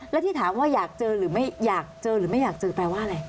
แล้วที่ถามว่าอยากเจอหรือไม่อยากเจอแปลว่าอะไร